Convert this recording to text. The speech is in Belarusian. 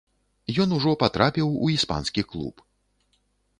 Ён ужо патрапіў у іспанскі клуб.